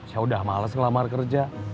ya udah males kelamar kerja